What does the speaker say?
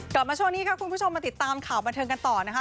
กลับมาช่วงนี้ค่ะคุณผู้ชมมาติดตามข่าวบันเทิงกันต่อนะคะ